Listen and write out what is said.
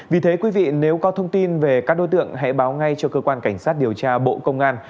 vì thế quý vị nếu có thông tin về các đối tượng hãy báo ngay cho cơ quan cảnh sát điều tra bộ công an